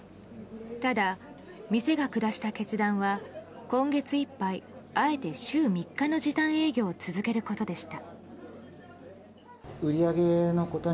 ただ、店が下した決断は今月いっぱいあえて週３日の時短営業を続けることでした。